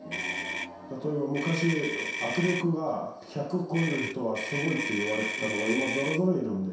例えば昔「握力が１００超える人はスゴい」って言われてたのが今ぞろぞろいるんで。